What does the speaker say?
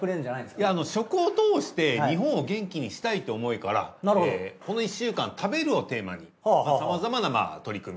いやあの食を通して日本を元気にしたいという思いからこの１週間食べるをテーマにさまざまな取り組み。